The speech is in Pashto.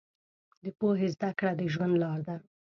د پوهې زده کړه د ژوند لار ده.